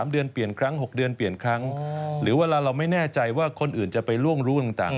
๓เดือนเปลี่ยนครั้ง๖เดือนเปลี่ยนครั้งหรือเวลาเราไม่แน่ใจว่าคนอื่นจะไปล่วงรู้ต่าง